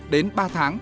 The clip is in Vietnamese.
đến ba tháng